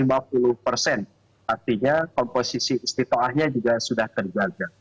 artinya komposisi istiqaahnya juga sudah terlihat